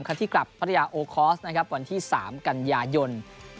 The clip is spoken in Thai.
ครั้งที่กลับพัทยาโอคอสนะครับวันที่สามกันยายน